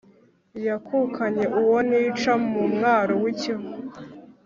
Yakukanye uwo nica mu mwaro w'i Kivu,